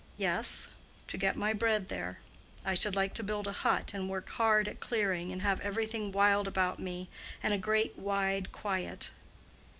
"Yes, to get my bread there. I should like to build a hut, and work hard at clearing, and have everything wild about me, and a great wide quiet."